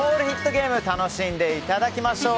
ゲーム楽しんでいただきましょう。